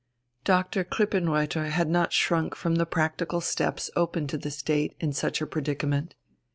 Dr. Krippenreuther had not shrunk from the practical steps open to the State in such a predicament.